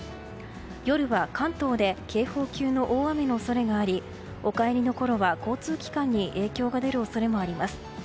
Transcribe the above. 夜は関東で警報級の大雨の恐れがありお帰りのころは交通機関に影響が出る恐れもあります。